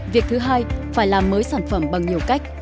việc thứ hai phải làm mới sản phẩm bằng nhiều cách